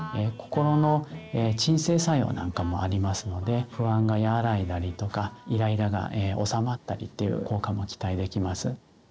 心の鎮静作用なんかもありますので不安が和らいだりとかイライラがおさまったりっていう効果も期待できます。